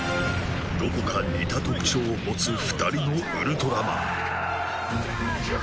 どこか似た特徴を持つ２人のウルトラマンテヤーッ！